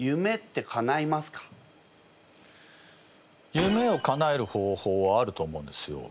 夢をかなえる方法はあると思うんですよ。